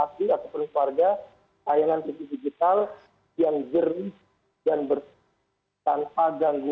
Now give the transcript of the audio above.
dan ketika sudah menikmati tayangan tv digital saya pastikan masyarakat berpindahan untuk berpindah ke tv analog